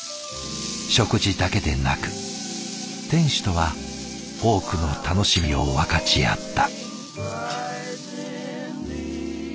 食事だけでなく店主とは多くの楽しみを分かち合った。